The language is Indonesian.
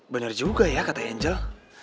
bener juga ya kata anjel